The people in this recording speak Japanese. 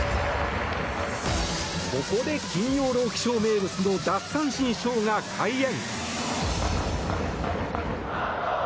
ここで「金曜ロウキショー」名物の奪三振ショーが開演。